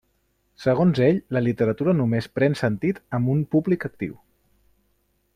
Segons ell, la literatura només pren sentit amb un públic actiu.